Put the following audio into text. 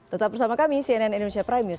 tetap bersama kami cnn indonesia prime news